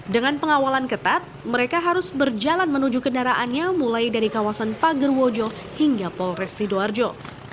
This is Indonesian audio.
dengan pengawalan ketat mereka harus berjalan menuju kendaraannya mulai dari kawasan pagerwojo hingga polres sidoarjo